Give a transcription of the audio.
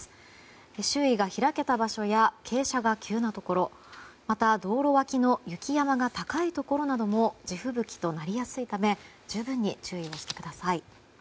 周囲が開けた場所や傾斜が急な所また、道路脇の雪山が高いところなども地吹雪となりやすいため十分に注意してください。